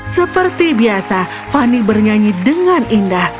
seperti biasa fani bernyanyi dengan indah